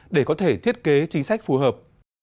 để có thể thiết kế chính sách phù hợp